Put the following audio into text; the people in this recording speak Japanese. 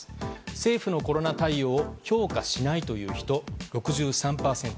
政府のコロナ対応を評価しないという人が６３％。